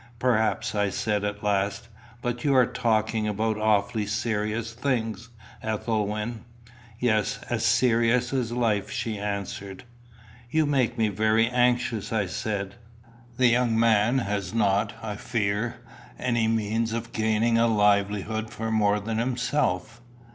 "Perhaps," I said at last. "But you are talking about awfully serious things, Ethelwyn." "Yes, as serious as life," she answered. "You make me very anxious," I said. "The young man has not, I fear, any means of gaining a livelihood for more than himself."